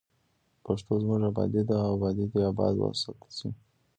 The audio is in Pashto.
پښتو زموږ ابادي ده او ابادي دې اباد وساتل شي.